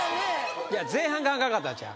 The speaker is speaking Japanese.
いや前半があかんかったんちゃう？